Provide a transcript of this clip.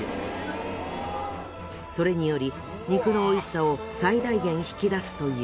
それにより肉の美味しさを最大限引き出すという。